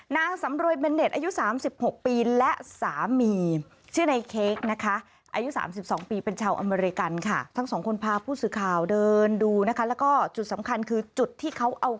นางสำรวยเบนเดชน์อายุ๓๖ปีและสามี